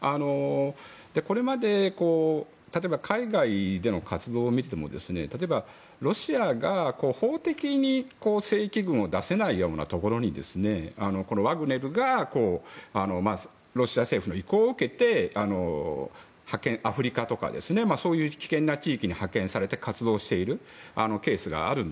これまで例えば海外での活動を見ても例えば、ロシアが法的に正規軍を出せないようなところにワグネルがロシア政府の意向を受けてアフリカとかそういう危険な地域に派遣されて活動しているケースがある。